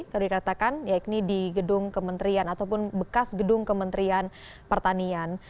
kalau dikatakan ya ini di gedung kementerian ataupun bekas gedung kementerian pertanian